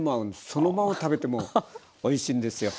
そのまま食べてもおいしいんですよ。